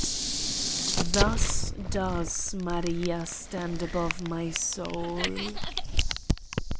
Thus does Maria stand above my soul.